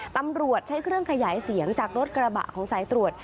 ตำรวจใช้เครื่องขยายเสียงจากรถกระบะของสายตรวจ